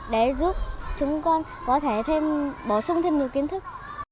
để giúp chúng con có thể thêm bổ sung thêm nhiều kiến thức